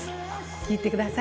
聴いてください。